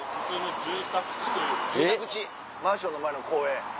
住宅地マンションの前の公園。